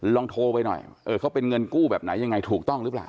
ลองโทรไปหน่อยเออเขาเป็นเงินกู้แบบไหนยังไงถูกต้องหรือเปล่า